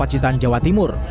di jawa timur